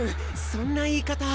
そんな言い方。